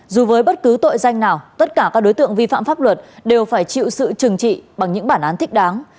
dù với bất cứ tội danh nào tất cả các đối tượng vi phạm pháp luật đều phải chịu sự trừng trị bằng những bản án thích đáng